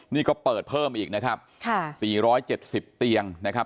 นี่ก็เปิดเพิ่มอีกนะครับค่ะสี่ร้อยเจ็ดสิบเตียงนะครับ